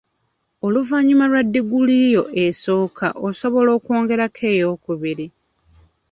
"Oluvannyuma lwa diguli yo esooka, osobola okwongerako ey'okubiri."